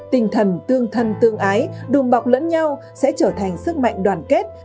tinh thần tương thân tương ái đùm bọc lẫn nhau sẽ trở thành sức mạnh đoàn kết